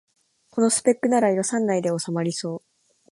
このスペックなら予算内でおさまりそう